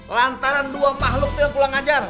lantaran dua makhluk tuh yang pulang ajar